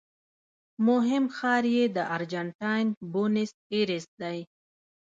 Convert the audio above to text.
مهم ښار یې د ارجنټاین بونس ایرس دی.